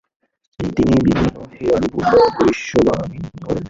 তিনি বিভিন্ন হেঁয়ালিপূর্ণ ভবিষ্যদ্বাণী করেন।